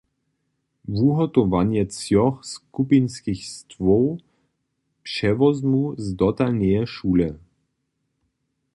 Wuhotowanje třoch skupinskich stwow přewozmu z dotalneje šule.